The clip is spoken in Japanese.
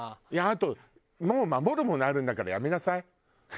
あともう守るものあるんだからやめなさい。